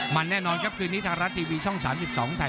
มันแน่นอนครับคืนนี้ทางรัฐทีวีช่อง๓๒ไทย